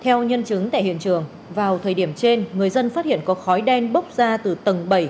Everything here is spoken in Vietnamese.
theo nhân chứng tại hiện trường vào thời điểm trên người dân phát hiện có khói đen bốc ra từ tầng bảy